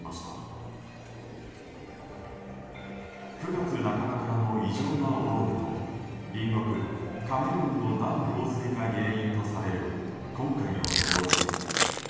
９月半ばからの異常な大雨と隣国カメルーンのダム放水が原因とされる今回の洪水。